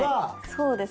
そうですね。